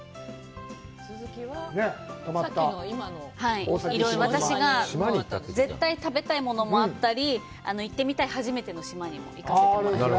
続きは、私が絶対に食べたいものもあったり、行ってみたい初めての島にも行かせてもらいました。